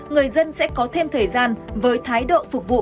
người dân sẽ có thêm thời gian với thái độ phục vụ